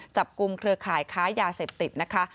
จับกลุ่มเครือข่ายค้ายาเสพติดนะคะ